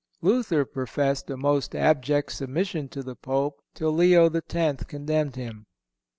Luther professed a most abject submission to the Pope till Leo X. condemned him.